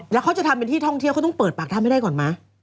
แล้วเขาจะทำเป็นที่ท่องเที่ยวเขาต้องเปิดปากถ้ำให้ได้ก่อนไหม